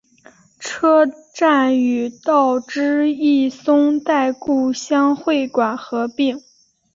车站与道之驿松代故乡会馆合并。